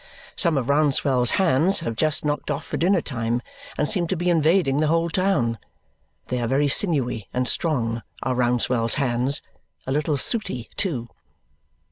Some of Rouncewell's hands have just knocked off for dinner time and seem to be invading the whole town. They are very sinewy and strong, are Rouncewell's hands a little sooty too.